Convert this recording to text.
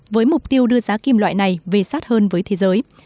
với mục tiêu đưa giá kim loại này về sát hơn với thế giới